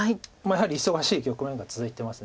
やはり忙しい局面が続いてます